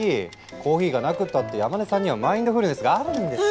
コーヒーがなくったって山根さんにはマインドフルネスがあるんですから。